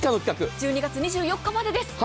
１２月２４日までです。